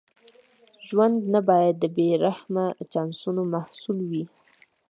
ژوند نه باید د بې رحمه چانسونو محصول وي.